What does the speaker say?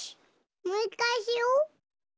もういっかいしよう！